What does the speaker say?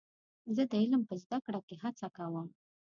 زه د علم په زده کړه کې هڅه کوم.